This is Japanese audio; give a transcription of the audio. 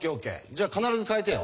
じゃあ必ず変えてよ。